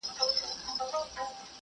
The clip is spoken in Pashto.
نور قومونه هم په کندهار کې ژوند کوي.